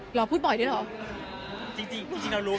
หรอพูดบ่อยด้วยเหรอ